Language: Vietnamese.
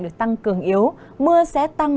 được tăng cường yếu mưa sẽ tăng